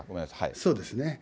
そうですね。